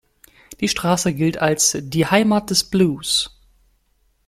Die Straße gilt als die „Heimat des Blues“.